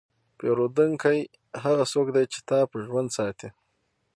پیرودونکی هغه څوک دی چې تا په ژوند ساتي.